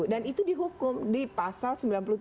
dan itu dihukum di pasal sembilan puluh tujuh